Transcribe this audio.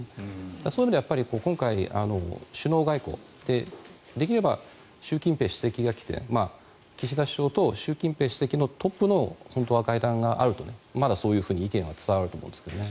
その意味では今回、首脳外交でできれば習近平主席が来て岸田首相と習近平主席のトップの会談が本当はあるとまだそういうふうに、意見は伝わると思うんですけどね。